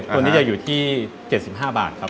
ตัวนี้จะอยู่ที่๗๕บาทครับ